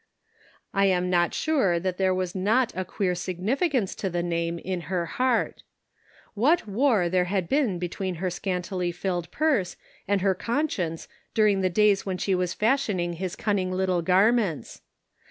I am not sure that there was not a queer significance to the name in her heart ! What war there had been between her scantily filled purse and her conscience during the days when she was fashioning his cunning little garments